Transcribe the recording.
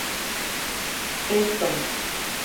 — Шешкым...